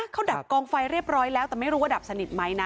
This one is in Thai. เขาดับกองไฟเรียบร้อยแล้วแต่ไม่รู้ว่าดับสนิทไหมนะ